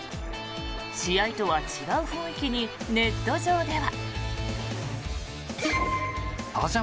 試合とは違う雰囲気にネット上では。